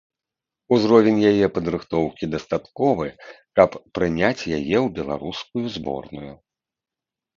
Узровень яе падрыхтоўкі дастатковы, каб прыняць яе ў беларускую зборную.